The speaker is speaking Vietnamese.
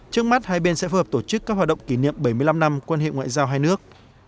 trước mắt hai bên sẽ phù hợp tổ chức các hoạt động kỷ niệm bảy mươi năm năm quan hệ ngoại giao hai nước